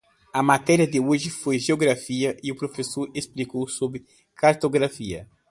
A matéria de hoje foi geografia e o professor explicou sobre cartografia.